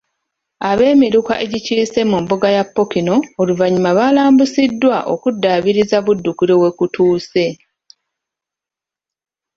Ab'Emiruka egikiise mu mbuga ya Ppookino oluvannyuma balambuziddwa okuddaabiriza Buddukiro we kutuuse.